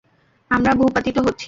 আমরা ভূপাতিত হচ্ছি।